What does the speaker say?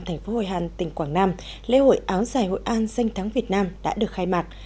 thành phố hội hàn tỉnh quảng nam lễ hội áo dài hội an danh thắng việt nam đã được khai mạc